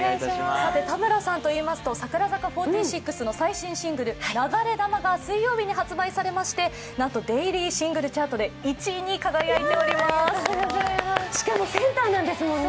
さて田村さんといいますと櫻坂４６の最新シングル「流れ弾」が水曜日に発売されまして、なんとデイリーシングルチャートで１位に輝いているんですね。